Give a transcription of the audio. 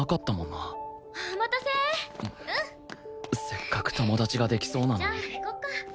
せっかく友達ができそうなのに